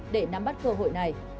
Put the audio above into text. để nắm bắt cơ hội này